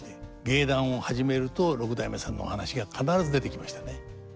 芸談を始めると六代目さんのお話が必ず出てきましたね。